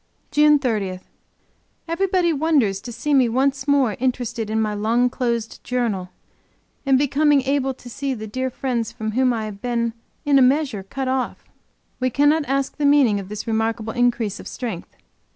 JUNE 30. Everybody wonders to see me once more interested in my long closed Journal, and becoming able to see the dear friends from whom I have been, in a measure cut off. We cannot ask the meaning of this remarkable increase of strength.